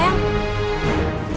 ini pembantu kamu ya